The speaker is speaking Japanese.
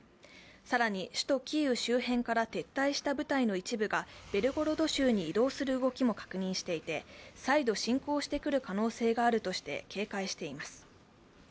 更に、首都キーウ周辺から撤退した部隊の一部がベルゴロド州に移動する動きも確認していて再度侵攻してくる可能性があるとして警戒しています。